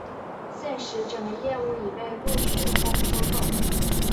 现时整个业务已被路讯通收购。